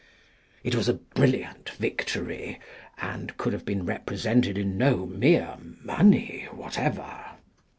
It was a brilliant victory, and could have been represented in no mere money whatever.